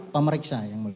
pemeriksa yang mulia